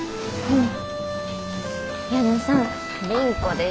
うん。